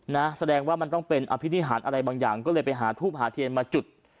นะแสดงว่ามันต้องเป็นอภินิหารอะไรบางอย่างก็เลยไปหาทูปหาเทียนมาจุด